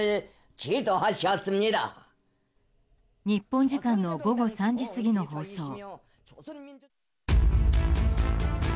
日本時間の午後３時過ぎの放送。